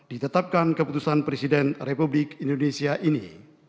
ditetapkan keputusan presiden republik indonesia ini